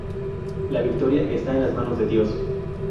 La victoria está en las manos de Dios...